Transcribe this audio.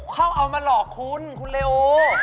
เขาเอามาหลอกคุณคุณเลโอ